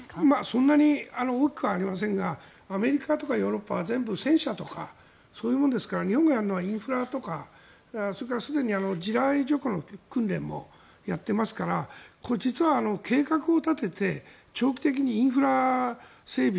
そんなに大きくはありませんがアメリカとかヨーロッパは全部、戦車とかそういうものですから日本がやるのはインフラとかそれからすでに地雷除去の訓練もやってますから実は、計画を立てて長期的にインフラ整備